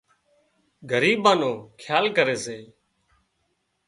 ڳريب نو کيال ڪري سي